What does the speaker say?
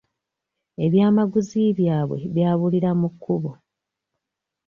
Ebyamaguzi byabwe byabulira mu kkubo.